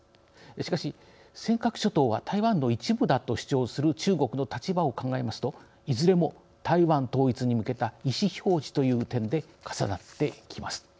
しかし、尖閣諸島は台湾の一部だと主張する中国の立場を考えますといずれも台湾統一に向けた意思表示という点で重なってきます。